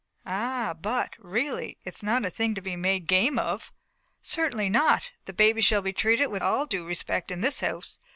"Ah! but, really! it's not a thing to be made game of." "Certainly not. The baby shall be treated with all due respect in this house."